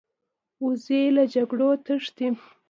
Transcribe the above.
وزې له جګړو تښتي